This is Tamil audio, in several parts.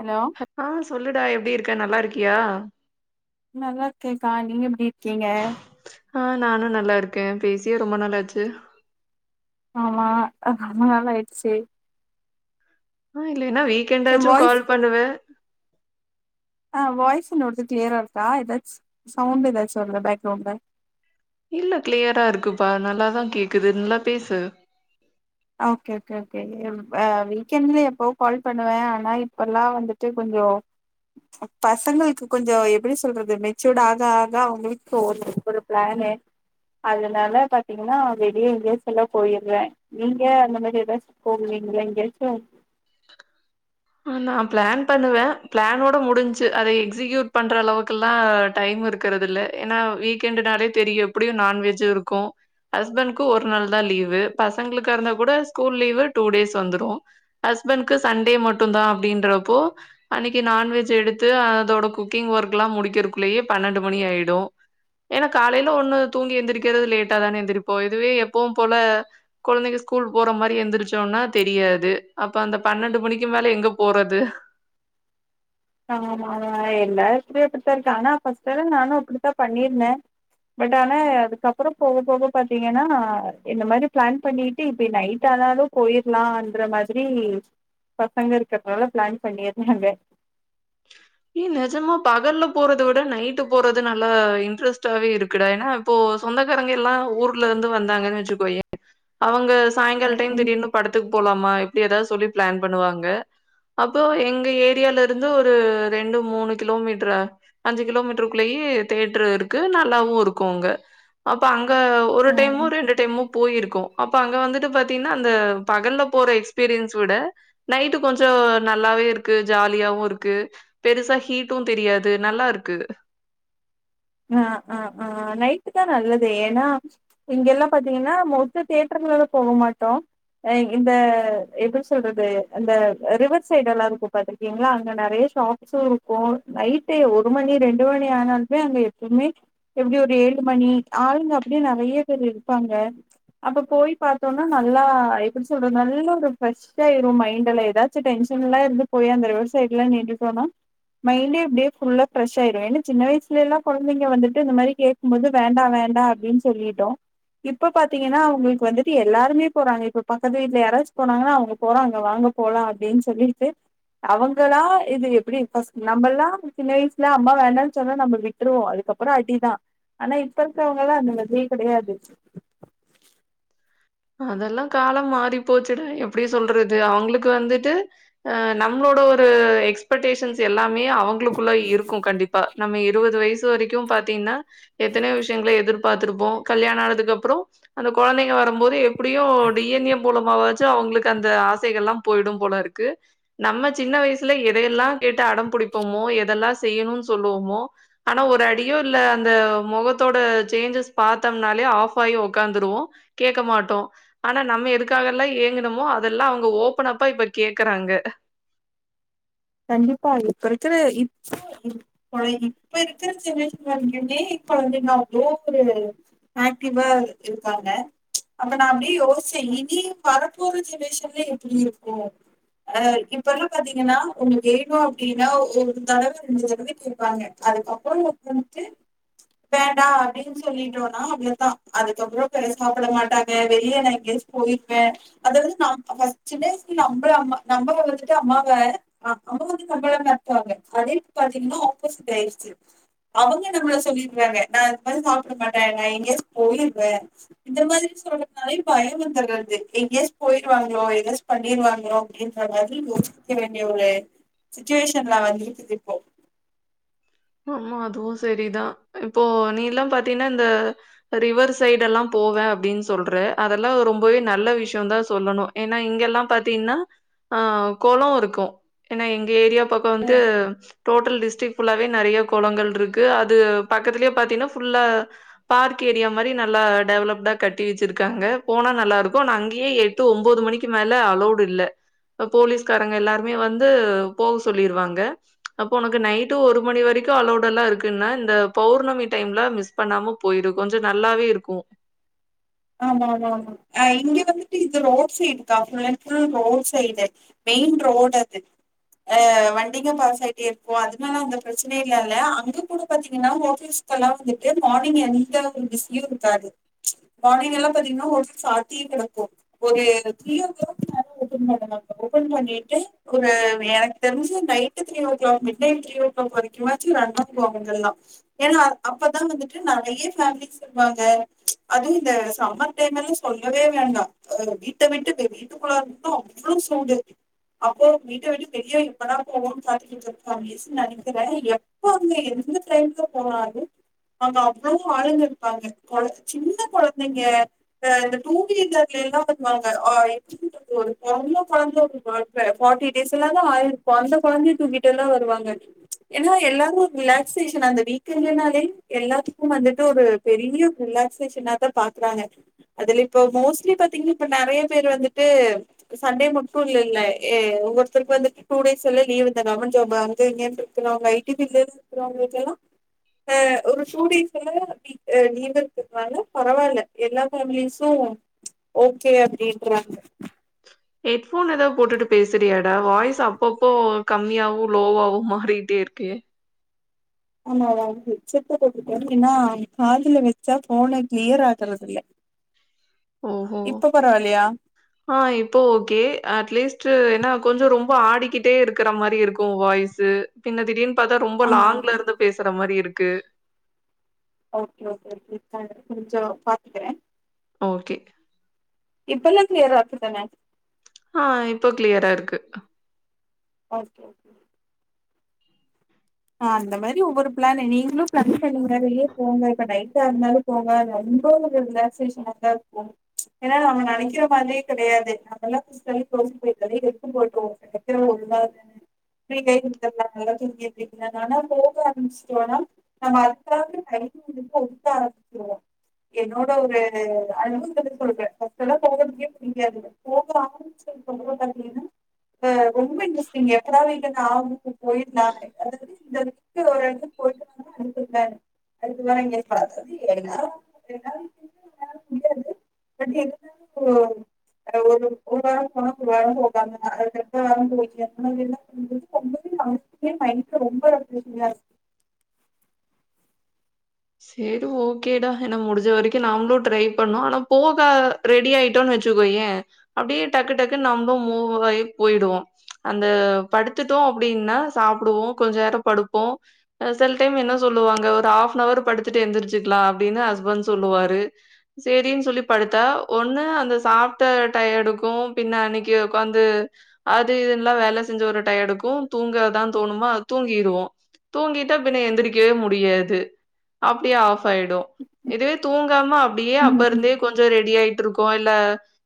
ஹலோ ஆ சொல்லுடா எப்படி இருக்க நல்லா இருக்கியா நல்லா இருகேக்கா நீங்க எப்டி இருக்கீங்க ஆ நானு நல்லா இருக்கே பேசியே ரொம்ப நாளாச்சு ஆமா அ ரொம்ப நாள் ஆயிருச்சு ம் இல்லேன்னா வீக் என் என்ட்டாச்சும் வாய்ஸ் கால் பண்ணுவ ஆ வாய்ஸ் என்னோடது கிளியரா இருக்கா ஏதாச்சு சவுண்ட் ஏதாச்சு வருதா பேக்ரெவுண்ட்ல இல்ல கிளியரா இருக்குப்பா நல்லாாதான் கேக்குது நல்லா பேசு ஓகே ஓகே ஓகே வீக்கெண்ட்ல் எப்பவும் கால் பண்ணுவேன் ஆனா இப்பல்லாம் வந்துட்டு கொஞ்சோ பசங்களுக்கு கொஞ்ச எப்டி சொல்றது மெச்சூட் ஆக ஆக அவங்களுக்கு ஒரு ஒரு பிளானு அதனால பாத்தீங்கன்னா வெளியே இங்கிய எல்லாம் போயிடுறே நீங்க அந்த மாரி ஏதாச்சும் போவீங்கள எங்கேயாச்சும் நான் பிளான் பண்ணுவேன் பிளானோட முடிஞ்சு அத எக்ஸிகயூட் பண்ற அளவுக்கெல்லாம் டைம் இரு க்கிறது இல்ல ஏன்னா வீக்கெண்ட் நாலே தெரியும் எப்டியும் நான்வெஜ் இருக்கும் ஹஸ்பண்ட்க் ஒரு நாள் தான் லீவு பசங்களுக்கு இருந்தா கூட ஸ்கூல் லீவு டூ டேஸ் வந்துடும் ஹஸ்பண்ட்கு சண்டே மட்டும் தான் அப்டின்றப்போ அன்னைக்கு நாான்வெஜ் எடுத்து அதோட குக்கிங் ஒர்க் எல்லா முடிக்கிறதுக்குள்ளேயே பன்னெண்டு மணி ஆயிடும் ஏனா காலையில ஒண்ணு தூங்கி எந்திரிக்கிறது லேட்டா தானே எந்திரிப்போ இதுவே எப்பவும் போல கொழந்தைங்க ஸ்கூல் போற மாரி எந்திரச்சோனா தெரியாது அப்ப அந்த பன்னெண்டு மணிக் கி மேல எங்க போறது ஆமா எல்லா இடதுலயு இப்டித்தான் இருக்க ஆனா ஃபஸ்டைம் நானும் அப்டித்தான் பண்ணிருந்தேன் பட் ஆனா அதுக்கப்றம் போக போக பாத்தீங்கன்னா இந்த மாரி பிளான் பண்ணிட்டு இப்போ நைட் ஆனாலும் போயிரலான்ற மாரி பசங்க இருக்கிறதுனால பிளான் பண்ணிருந்தாங்க ஏ நெஜமா பகல்ல போறத விட நைட்டு போறது நல்லா இன்ட்ரெஸ்ட்டாவே இருக்குடா ஏனா இப்போ சொந்தக்காரங்க எல்லா ஊர்ல இருந்து வந்தாங்கன்னு வெச்சுக்கோயேன் அவங்க சாயங்கால ம் டைம் ம் திடீர்னு படத்துக்கு போலாமா இப்படி ஏதாவது சொல்லி பிளான் பண்ணுவாங்க அப்போ எங்க ஏரியில இருந்து ஒரு ரெண்டு மூணு கிலோமீட்டர் அஞ்சு கிலோமீட்டருக்குள்ளேய தேட்டர் இருக்கு நல்லாவும் இருக்கும் அங்க அப்ப அங்க ஒரு ம் டைமும் ரெண்டு டைமு போயிருக்கோ அப்ப அங்க வந்துட்டு பாத்தீங்கன்னா அந்த பகல்ல போற எக்ஸ்பீரியன்ஸ விட நைட்டு கொஞ்ச நல்லாவே இருக்கு ஜாலியாவும் இருக்கு பெருசா ஹீட்டும் தெரியாது நல்லா இருக்கு ஆ ஆ ஆநைட்டு நல்லது ஏனா இங்க எல்லா பாத்தீங்கன்னா மொஸ்ட் தேட்டர்ங்களால போக மாட்டோ இந்த எப்டி சொல்றது இந்த ரிவர் சைடு எல்லா இருக்கும் பாத்திருக்கீங்களா அங்க நெறைய ஷாப் சு இருக்கும் நைட்டு ஒரு மணி ரெண்டு மணி ஆனாலுமே அங்க எப்பமே எப்டி ஒரு ஏழு மணி ஆளுங்க அப்டியே நெறைய பேர் இருப்பாங்க அப்ப போய் பாத்தோம்னா நல்லா எப்டி சொல்றது நல்ல ஒரு ஃப்ரெஷ்ஷா ஆய்ரு மைண்ட் எல்ல எதா ச்சு டென்ஷன்லா இருந்து போயி அந்த ரிவர் சைடுல நின்னுடோன மைண்டே அப்படியே ஃபுல்லா ஃப்ரஷ்ஷயிரும் ஏன்ன சின்ன வயசுலல்லா கொழந்தைங்க வந்துட்டு இந்த மாரி கேட்கும் போது வேண்டா வேண்டா அப்டின்னு சொல்லிட்டோ இப்ப பாத்தீங்கன்னா அவங்களுக்கு வந்துட்டு எல்லாருமே போறாங்க இப்ப பக்கத்து வீட்ல யாரச்சு போனாங்கன்னா அவங்க போறாங்க வாங்க போலாம் அப்டின்னு சொல்லிட்டு அவங்களா இது எப்டி் ஃபஸ் நம்மல்லா சின்ன வயசுல அம்மா வேண்டான்னு சொன்னா நம்ம விட்டுருவோ அதுக்கப்றம் அடிதான் ஆனா இப்ப இருக்கிறவங்காலாம் அந்த மாரியே கெடையாது அதெல்லா காலம் மாறி போச்சுட எப்டி சொல்றது அவங்களுக்கு வந்துட்டு அ நம்ளோட ஒரு எக்ஸ்பெக்டேஷன்ஸ் எல்லாமே அவங்களுக்குள்ள இருக்கும் கண்டிப்பா நம்ம இருபது வயசு வரைக்கும் பாத்தீங்கன்னா எத்தனயோ விஷயங்கல எதிர் பார்த்திருப்போ கல்யாண ஆனதுக்கு அப்றம் அந்த கொழந்தைங்க வரும் போது எப்டியோ டி என் ஏ மூலமாவாச்சு அவங்களுக்கு அந்த ஆசைகள் எல்லா போயிடும் போல இருக்கு நம்ம சின்ன வயசுல எதயெல்லாம் கேட்டு அடம் பிடிப்போமோ எதெல்லாம் செய்யணும்னு சொல்லுவோமோ ஆனா ஒரு அடியோ இல்ல அந்த முகத்தோட சேஞ்சஸ் பாத்தம்னாலே ஆஃப் ஆகி உக்காந்துருவோ கேக்க மாட்டோ ஆனா நம்ம எதுக்காகல்லா ஏங்கினுமோ அதெல்லா அவங்க ஓப்பனப்பா இப்ப கேக்குறாங்க கண்டிப்பா பிரச்சனை இப்போ இருக் [unintelligible] இப்ப இருக்கிற ஜெனரேஷன் [unintelligible] இப்ப வந்து என்னாகு ஓவரு ஆக்டிவா இருக்காங்க அப்ப நா அப்டியே யோசேன் இனி வரப்போற ஜென்ரேஷன்ல எப்டி இருக்கு அ இப்ப எல்லா பாத்தீங்கன்னா ஒன்னு வேணு அப்டின்னா ஒரு தடவ ரெண்டு தடவ கேப்பாங்க அதுக்கப்புறோ வந்துட்டு வேண்டா அப்டின்னு சொல்லிட்டோனா அவ்ளோதா அதுக்கப்புறோ சாப்பிட மாட்டாங்க வெளியன நா எங்காயாச்சு போயிருவே அதாவது நம் [unintelligible] நம்மள அம்மா நம்மள விட்டுட்டு அம்மாவா ஆ அப்ப வந்து நம்பள மெரட்டுவாங்க அத இப்ப பாத்தீங்கன்னா ஆப்போசிட்டாயிருச்சு அவங்க நம்மளை சொல்லிருறாங்க நா இந்த மாரி சாப்பிட மாட்டே நா எங்காயாச்சு போயிருவே இந்த மாரி சொல்றதுனாலேயு பயோ வந்துடுது எங்கோச்சு போயிடுவாங்களோ ஏதாச்ச பண்ணிருவாங்களோ அப்டின்ற மாரி யோசிக்க வேண்டிய ஒரு சிச்சுவேஷன்ல வந்துகிட்டு இருக்கு இப்போ ஆமா அதுவு சரிதா இப்போ நீ எல்லா பாத்தீன்னா இந்த ரிவர் சைடு எல்லா போவே அப்டின்னு சொல்ற அதெல்லா ரொம்பவே நல்ல விஷயோந்தா சொல்லணு ஏன்னா இங்கெல்லா பாத்தீங்கன்னா ஆ கொளோ இருக்கு ஏன்னா எங்க ஏரியா பக் கோ வந்துட்டு ம் டோட்டல் டிஸ்ட்ரிக் ஃபுல்லாவே நெறைய கொளங்கள் இருக்கு அது பக்கத்திலயே பாத்தீங்கன்னா ஃபுல்லா பார்க் ஏரியா மாதிரி நல்லா டெவலப்டா கட்டி வச்சிருக்காங்க போனா நல்லா இருக்கு ஆனா அங்கேயே எட்டு ஒம்போது மணிக்கு மேல அளவுட் இல்ல போலீஸ்காரங்க எல்லாருமே வந்து போக சொல்லிருவாங்க அப்ப உனக்கு நைட்டு ஒரு மணி வரைக்கு அலோவுட எல்லா இருக்குன்னா இந்த பௌர்ணமி டைம்ல மிஸ் பண்ணாம போயிரு கொஞ்சோ நல்லாவே இருக்கு ஆமா ஆமா ஆமா ஆ இங்க வந்துட்டு இது ரோட் சைடுக்கா fill and full road side main road அது அ வண்டிங்க பாசாயிட்டே இருக்கு அதுனால அந்த பிரச்சனையெல்லா இல்ல அங்க கூட பாத்தீங்கன்னா ஓபீஸ் க்கெல்லா வந்துட்டு மார்னிங் எந்த ஒரு பிஸியு இருக்காது வானிலல்லா பாத்தீங்கன்னா ஒரு சாத்தியே கெடக்கும் ஒரு [unintelligible] ஓபன் பண்ணுவாங்க ஓபன் பண்ணிட்டு ஒரு எனக்கு தெரிஞ்சு night three o'clock midnight three o'clock வரைக்கும்மாச்சு ரன் பண்ணுவாங்க இங்க எல்லா ஏன்னா அப்பதா வந்துட்டு நெறைய ஃபேமலீஸ் வருவாங்க அதுவு இந்த சம்மர் டைம் எல்லா சொல்லவே வேண்டா ஆ வீட்டை விட்டு வெளி வீட்டுக்குள்ளா இருந்து அவ்ளோ சூடு அப்போ வீட்டை வீட்டு வெளி எப்படா போவோனு கா [unintelligible] நெனைக்கிறே எப்ப அங்க எந்த டைமுக்கு போனாலு அங்க அவ்ளோ ஆளுங்க இருப்பாங்க கொ சின்ன கொழந்தைக இந்த இந்த டூ வீலர்ல எல்லா வருவாங்க [unintelligible] ஃபார்ட்டி டேஸ் எல்லதா ஆயிருக்கு அந்த கொழந்தய தூக்கிட்டு எல்லா வருவாங்க ஏன்னா எல்லாரு ஒரு ரிலாக்சேஷன் அந்த வீக்ண்ட்லனாலே எல்லாத்துக்கு வந்துட்டு ஒரு பெரிய ரிலாக்ஸ் ஷேஷனா தா பாக்குறாங்க அதுல இப்ப மோஸ்ட்லி பாத்தீங்கன்னா இப்ப நெறைய பேர் வந்துட்டு சண்டே மட்டு இல்லல்ல எ ஒவ்வொத்தருக்கு வந்துட்டு டூ டேஸ் எல்லா லீவ் இந்த கவர்மெண்ட் ஜாப் வந்தங்கின்ட்டு இருக்கறவங்க ஐ டி பில்ட்ல [unintelligible] இருக்கறவங்க எல்லா ஆ ஒரு டூடேஸ்ல [unintelligible] ஆனா பரவாயில்ல எல்லா ஃபேமிலிஸும் ஓகே அப்டின்றாங்க ஹெட்போன் ஏதாது போட்டுட்டு பேசுறியாடா வாய்ஸ் அப்பப்போ கம்மியாகு லோவாவு மாறிகிட்டே இருக்கே ஆமா ஹெட் செட் தா போட்டு இருக்க ஏ தெரியுமா காதில வச்சா போனை கிளியர் ஆகுறதில்ல ஓஹோ! இப்ப பரவாயில்லையா ஆ இப்போ ஓகே அட்லீஸ்ட் ஏனா கொஞ்சோ ரொம்ப ஆடிக்கிட்டே இருக் இருக்குற மாரி இருக்கும் வாய்ஸ் பின்ன திடீர்னு பார்த்தா ரொம்ப ஆ லாங்ல இருந்து பேசுற மாரி இருக்கு ஓகே ஓகே இப்ப கொஞ்சோம் பாத்துக்க ஓகே இப்ப இன்னேறத்துல்ல யார அனுப்பிருப்பாங்க ஆ இப்போ கிளியரா இருக்கு ஓகே ஓகே ஆ அந்த மாரி ஒவ்வொரு ப்ளானு நீங்களும் ப்ளஸ் பண்ணுங்க வெளியே போங்க இப்ப லைட்டா இருந்தாலும் போவ ரொம்ப ஒரு ரிலாக்சேஷனா தா இருக்கும் ஏன்னா அவுங்க நெனைக்கிற மாரியே கெடையாது அதெல்லா [unintelligible] நீங்க இங்கலாம் நல்லா தூங்கிட்டு இருக்கிறங்க ஆனா போக ஆரம்பிச்சுட்டோனா நம்ம அதுக்காவ கை ரொம்ப உக்க ஆரம்பச்சிருவோம் என்னோட ஒரு அனுபவத்துல சொல்றே இப்பெல்லாம் போகிறதுக்கே புடிக்காது போகலாம் உங்ககூட போலைங்கன்னா ஆ ரொம்ப இன்ட்ரெஸ்டிங் எப்பவாது இங்கிருந்து அவுங்க வீட்டு ஆ போய்லானு அது எப்டி ஜக்கு வேற எங்கயும் போ [unintelligible] என்னது மதியோ எங்க போ ஒரு ஒரு வாரோ போகுதே [unintelligible] எங்க வீட்டுக்கு வந்தது லாஸ்டே நைட் இத ரொம்ப [unintelligible] சேரி ஓகேடா என்ன முடிஞ்ச வரைக்கும் நாங்களும் ட்ரை பண்ணோ ஆனா போக ரெடி ஆயிட்டோனு வச்சுக்கோயே அப்டியே டக்கு டக்கு நம்லு மூவாகி போய்டுவோம் அந்த படுத்துட்டோம் அப்டின்னா சாப்புடுவோம் கொஞ்ச நேரம் படுப்போம் ஆ சில டைம் என்ன சொல்லுவாங்க ஒரு ஹாப் நவர் படுத்துட்டு எந்திரிச்சுக்கலா அப்டினு ஹஸ்பண்ட் சொல்லுவாரு சேரி சொல்லி படுத்தா ஒண்ணு அந்த சாப்ட டயடுக்கும் பின்ன அன்னிக்கி ஒக்காந்து அது இதுல்லா வேல செஞ்ச ஒரு டையடுக்கும் தூங்காத தோணுமா தூங்கிடுவோம் தூங்கிட்டா பின்ன எந்திரிக்கவே முடியாது அப்டியே ஆஃப் ஆய்டும் இதுவே தூங்காம அப்டியே அப்ப ம். இருந்தே கொஞ்சம் ரெடி ஆயிட்டு இருக்கோ இல்ல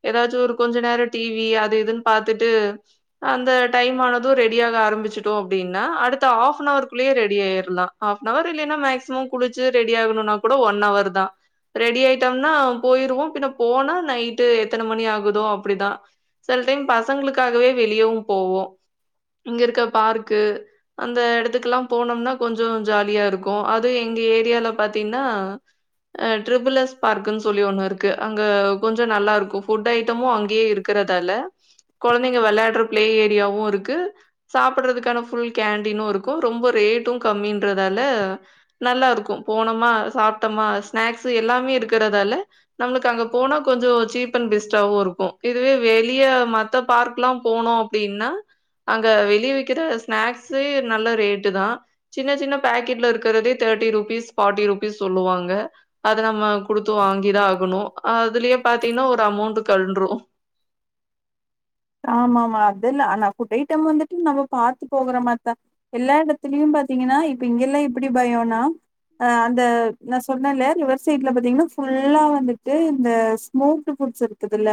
ஏதாச்சும் ஒரு கொஞ்ச நேரம் டிவி அது இதுன்னு பாத்துட்டு அந்த டைம் ஆனதும் ரெடியாக ஆரம்பிச்சுடோம் அப்டினா அடுத்த ஹாப் நவர்குள்ளேயே ரெடி ஆய்ரலா ஹாப்னவர் இல்லன்னா மேக்சிமம் குளிச்சு ரெடி ஆகணும்னா கூட ஒன் அவர் தா ரெடி ஆயிட்டோம்னா போயிருவோம் பின்ன போனா நைட்டு எத்தன மணி ஆகுதோ அப்டிதா சில டைம் பசங்களுக்காகவே வெளியவும் போவோம் இங்க இருக்க பார்க்கு அந்த எடத்துக்கெல்லா போனோம்னா கொஞ்சோ ஜாலியா இருக்கும் அது எ எங்க ஏரியால பாத்தீங்கனா ட்ரிபிளஸ் பார்க்குன்னு சொல்லி ஒண்ணு இருக்கு அங்க கொஞ்சம் நல்லா இருக்கும் ஃபுட் ஐட்டமும் அங்கேயே இருக் கறதால கொழந்தைங்க வெளையாடுற பிளே ஏரியாவும் இருக்கு சாப்புறதுக்கான ஃபுல் கேண்டீனும் இருக்கும் ரொம்ப ரேட்டும் கம்மின்றதால நல்லா இருக்கும் போனமா சாப்ட்டோமா ஸ்நாக்ஸ் எல்லாமே இருக்கறதால நம்மளுக்கு அங்க போனா கொஞ்சம் சீப் அண்ட் பெஸ்ட்டாவும் இருக்கும் இதுவே வெளிய மத்த பார்க்ல்லா போனோ அப்டின்னா அங்க வெளிய விக்கிற ஸ்நாக்ஸ் நல்ல ரேட்டு தா சின்ன சின்ன பேக்கெட்ல இருக்றதே தேர்ட்டி ருபீஸ் பார்ட்டி ருபீஸ் சொல்லுவாங்க அத நம்ம குடுத்து வாங்கிதா ஆகணு அதுலயே பாத்தீங்கனா ஒரு அமௌண்ட்டு கழண்டுரு ஆமா ஆமா அதெல்லா ஆனா ஃபுட் ஐட்டம் வந்துட்டு நம்ம பாத்து போகுற மாத்தா எல்லா எடத்திலயு பாத்தீங்கனா இப்ப இங்கெல்லா எப்டி பயோனா அ அந்த நா சொன்னேல ரீவர் சைட்ல பாத்தீங்கனா ஃபுல்லா வந்துட்டு இந்த ஸ்மோக்டு ஃபுட்ஸ் இருக் க்கிதுல்ல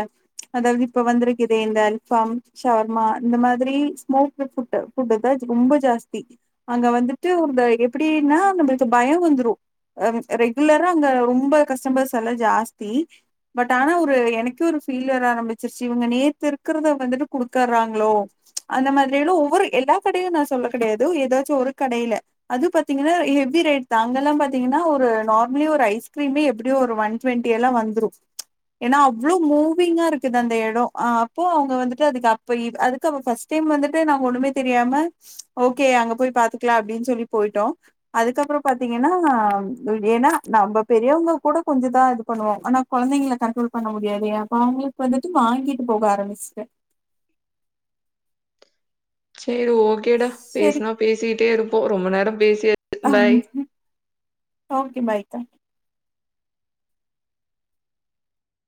அதாவது இப்ப வந்திருக்கேதுதே இந்தன் ஃபம் ஷவர்மா இந்த மாதிரி ஸ்மோக்டு ஃபுட்டு ஃபுட் இப்பஜ் ரொம்ப ஜாஸ்தி அங்க வந்துட்டு ஒரு ப எப்டினா நம்மளுக்கு பய வந்துரு அ ம் ரெகுலரா அந்த ரொம்ப கஸ்டமர்ஸ் எல்லா ஜாஸ்தி பட் ஆனா ஒரு எனக்கே ஒரு ஃபீல் வர ஆரம்பிச்சிருச்சு இவுங்க நேத்து இருக் க்றத வந்துட்டு குடுக்கறாங்களோ அந்த மாதிரிலு ஒவ்வொரு எல்லா கடையு நா சொல்ல கெடையாது ஏதாச்சு ஒரு கடைல அது பாத்தீங்ன்னா ஹெவி ரேட் தா அங்கெலா பாத்தீங்கனா ஒரு நார்மலி ஒரு ஐஸ்கிரீமே எப்டியு ஒரு ஒன் ட்வெண்டி எல்லா வந்துரு ஏனா அவ்ளோ மூவிங்கா இருக்குது அந்த எடோ அ ப் ப்போ அவுங்க வந்துட்டு அதுக்கு அப்ப ஈப் அதுக்கு அவ ஃபஸ்ட்டு டைம் வந்துட்டு நாங்க ஒன்னுமே தெரியாம ஓகே அங்க போய் பாத்துக்லா அப்டினு சொல்லி போயிட்டோ அதுக்கப்பறோ பாத்தீங்கனா புல் ஏனா நம்ம பெரியவங்க கூட கொஞ்சதா இது பண்ணுவோ ஆனா கொழந்தைங்கள கண்ட்ரோல் பண்ண முடியாது அப்ப அவுங்களுக்கு வந்துட்டு வாங்கிட்டு போக ஆரம்பிச்ட்டே சேரி ஓகேடா சரி பேசுனா பேசிகிட்டே இருப்போ ரொம்ப நேரோ பேசியாச் அம்கு ஓகே பாய்க்கா